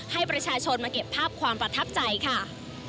ให้ประชาชนมาเก็บภาพความประทับใจค่ะ